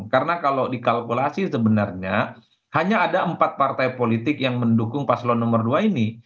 karena kalau dikalkulasi sebenarnya hanya ada empat partai politik yang mendukung paslon nomor dua ini